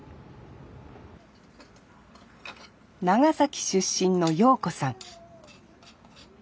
長崎出身の謡子さん